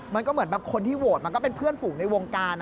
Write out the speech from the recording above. มันก็เหมือนแบบคนที่โหวตมันก็เป็นเพื่อนฝูงในวงการ